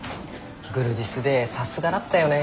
グルディスでさすがだったよねって。ね。